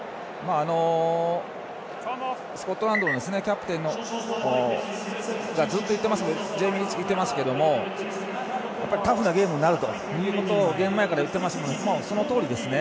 スコットランドのキャプテンがずっと言ってますけどもタフなゲームになるということをゲーム前から言っていましたがそのとおりですね。